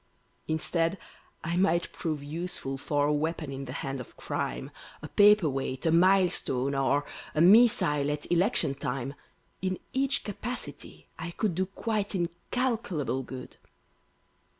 Instead, I might prove useful for A weapon in the hand of Crime, A paperweight, a milestone, or A missile at Election time; In each capacity I could Do quite incalculable good.